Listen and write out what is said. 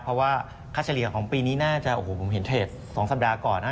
เพราะว่าค่าเฉลี่ยของปีนี้น่าจะโอ้โหผมเห็นเทรด๒สัปดาห์ก่อนนะ